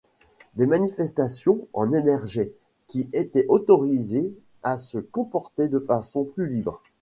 Des manifestations en émergeaient qui étaient autorisées à se comporter de façon plus libre.